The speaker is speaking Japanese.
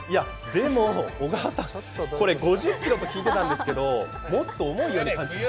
でもこれ、５０ｋｇと聞いていたんですがもっと重いように感じます。